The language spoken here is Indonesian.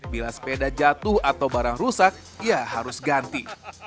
bila sepeda jatuh atau barang rusak ya harus ganti